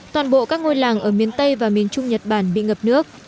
toàn bộ các ngôi làng ở miền tây và miền trung nhật bản bị ngập nước